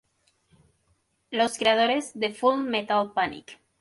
Los creadores de "Full Metal Panic!